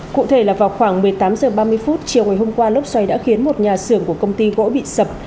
cụ thể là vào khoảng một mươi tám h ba mươi phút chiều ngày hôm qua lốc xoay đã khiến một nhà sườn của công ty gỗ bị sập